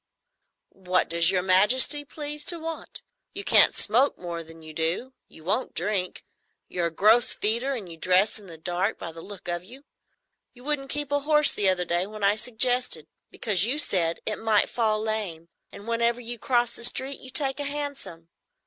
"What does Your Majesty please to want? You can't smoke more than you do; you won't drink; you're a gross feeder; and you dress in the dark, by the look of you. You wouldn't keep a horse the other day when I suggested, because, you said, it might fall lame, and whenever you cross the street you take a hansom.